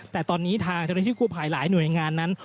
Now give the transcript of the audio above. แต่ตอนนี้ทางเจ้าหน้าที่คู่ภายหลายหน่วยงานนั้น